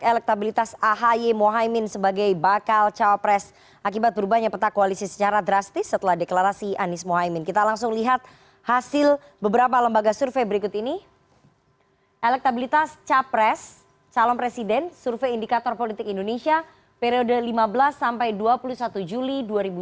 elektabilitas capres salom presiden survei indikator politik indonesia periode lima belas sampai dua puluh satu juli dua ribu dua puluh tiga